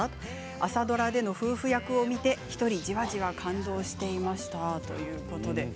朝ドラでの夫婦役を見て１人じわじわ感動していましたということです。